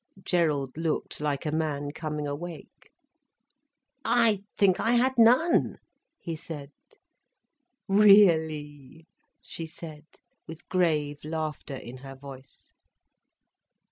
Gerald looked like a man coming awake. "I think I had none," he said. "Really!" she said, with grave laughter in her voice.